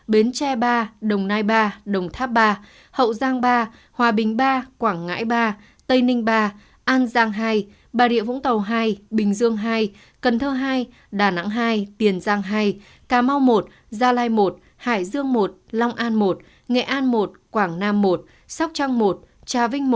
bến tre ba đồng nai ba đồng tháp ba hậu giang ba hòa bình ba quảng ngãi ba tây ninh ba an giang hai bà rịa vũng tàu hai bình dương hai cần thơ hai đà nẵng hai tiền giang hai cà mau một gia lai một hải dương một long an một nghệ an một quảng nam một sóc trăng một trà vinh